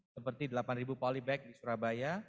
seperti delapan polibag di surabaya